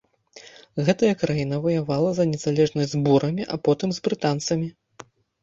Гэтая краіна ваявала за незалежнасць з бурамі, а потым з брытанцамі.